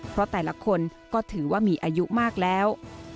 เพราะแต่ละคนก็ถือว่ามีอายุมากแล้ว